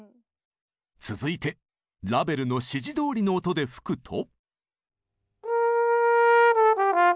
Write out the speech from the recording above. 続いてラヴェルの指示どおりの音で吹くと。